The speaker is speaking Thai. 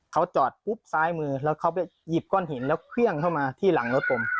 เขาจอดซ้ายมือแล้วก็ขี้จากหินแล้วเคลื่องมาถึงที่หลังรถผม